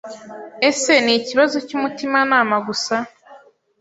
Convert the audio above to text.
Ese ni ikibazo cy'umutimanama gusa